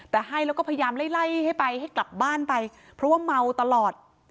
แต่ให้แล้วก็พยายามไล่ไล่ให้ไปให้กลับบ้านไปเพราะว่าเมาตลอด